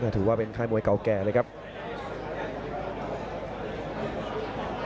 ถือว่าเป็นค่ายมวยเก่าแก่เลยครับ